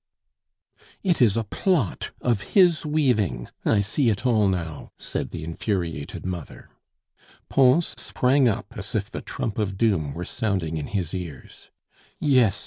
"It is a plot of his weaving; I see it all now," said the infuriated mother. Pons sprang up as if the trump of doom were sounding in his ears. "Yes!"